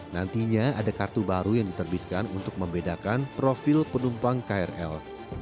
nantinya ada kartu baru yang diterbitkan untuk membedakan profil penumpang krl